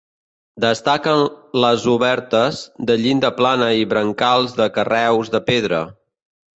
Destaquen les obertes, de llinda plana i brancals de carreus de pedra.